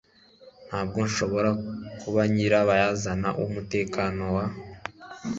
Ntabwo nshobora kuba nyirabayazana w'umutekano wa